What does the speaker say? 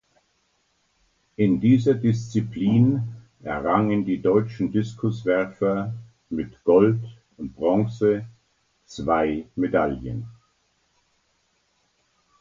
In dieser Disziplin errangen die deutschen Diskuswerfer mit Gold und Bronze zwei Medaillen.